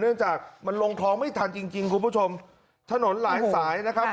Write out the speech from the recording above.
เนื่องจากมันลงคลองไม่ทันจริงจริงคุณผู้ชมถนนหลายสายนะครับ